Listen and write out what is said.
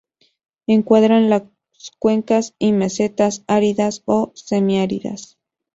Encuadran las cuencas y mesetas áridas o semiáridas.